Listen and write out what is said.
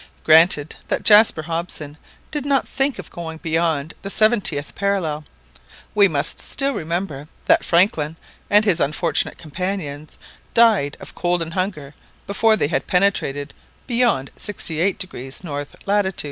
Granted that Jaspar Hobson did not think of going beyond the seventieth parallel, we must still remember that Franklin and his unfortunate companions died of cold and hunger before they had penetrated beyond 68° N. lat.